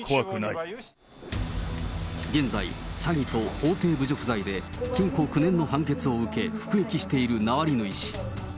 現在、詐欺と法廷侮辱罪で、禁錮９年の判決を受け、服役しているナワリヌイ氏。